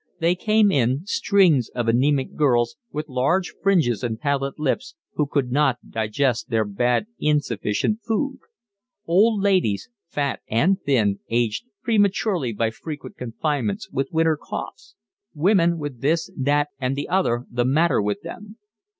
They came in, strings of anaemic girls, with large fringes and pallid lips, who could not digest their bad, insufficient food; old ladies, fat and thin, aged prematurely by frequent confinements, with winter coughs; women with this, that, and the other, the matter with them.